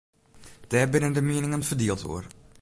Dêr binne de mieningen ferdield oer.